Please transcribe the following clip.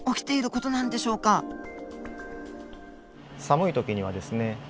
寒いときにはですね